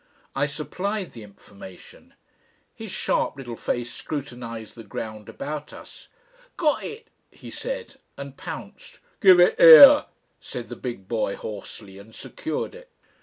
I supplied the information. His sharp little face scrutinised the ground about us. "GOT it," he said, and pounced. "Give it 'ere," said the big boy hoarsely, and secured it.